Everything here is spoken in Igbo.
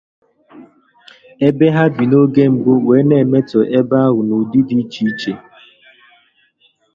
ebe ha bi n'oge mbụ wee na-emetọ ebe ahụ n'ụdị dị iche iche.